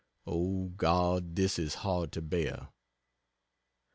(O, God! this is hard to bear.)